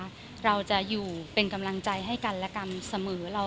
เราจะอยู่เป็นกำลังใจให้กันและกันเสมอ